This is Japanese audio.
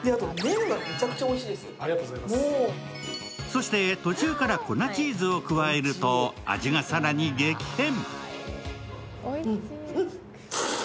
そして途中から粉チーズを加えると、味が更に激変。